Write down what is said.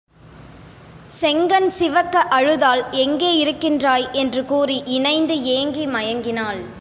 செங்கண்சிவக்க அழுதாள் எங்கே இருக்கின்றாய்? என்று கூறி இணைந்து ஏங்கி மயங்கினாள்.